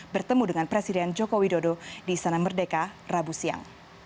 bertemu dengan presiden joko widodo di sana merdeka rabu siang